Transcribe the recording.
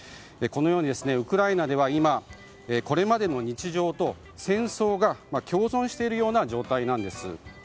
このようにウクライナでは今これまでの日常と戦争が共存しているような状態なんです。